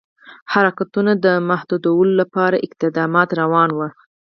حرکتونو د محدودولو لپاره اقدامات روان وه.